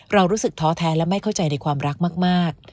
เรารู้สึกท้อแท้และไม่เข้าใจในความรักมาก